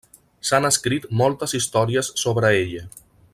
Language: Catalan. S'han escrit moltes històries sobre ella.